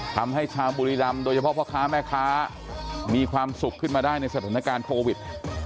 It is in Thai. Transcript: ทำให้ชาวบุรีรำโดยเฉพาะพ่อค้าแม่ค้ามีความสุขขึ้นมาได้ในสถานการณ์โควิด